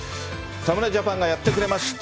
侍ジャパンがやってくれました。